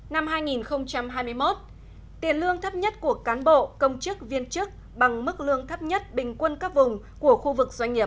năm hai nghìn hai mươi một tiền lương thấp nhất của cán bộ công chức viên chức bằng mức lương thấp nhất bình quân các vùng của khu vực doanh nghiệp